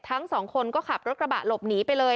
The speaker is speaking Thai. ทั้งสองคนก็ขับรถกระบะหลบหนีไปเลย